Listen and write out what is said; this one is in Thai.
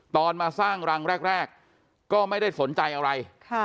มาสร้างรังแรกก็ไม่ได้สนใจอะไร